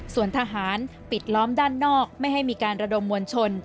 ส่วนทหารปิดล้อมด้านนอกไม่ให้มีการระดมมวลชน